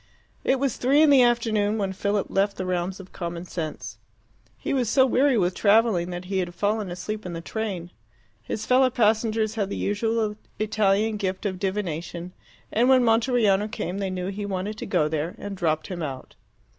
It was three in the afternoon when Philip left the realms of commonsense. He was so weary with travelling that he had fallen asleep in the train. His fellow passengers had the usual Italian gift of divination, and when Monteriano came they knew he wanted to go there, and dropped him out.